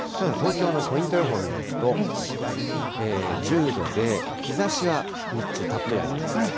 東京のポイント予報を見ますと、１０度で、日ざしは日中、たっぷりあります。